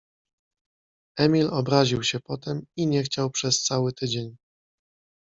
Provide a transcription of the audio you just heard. Emil obraził się potem i nie chciał przez cały tydzień.